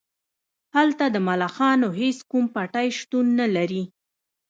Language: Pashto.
هلته د ملخانو هیڅ کوم پټی شتون نلري